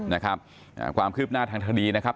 นะครับอ่าความคืบหน้าทางคดีนะครับ